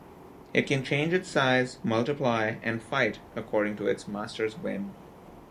It can change its size, multiply, and fight according to its master's whim.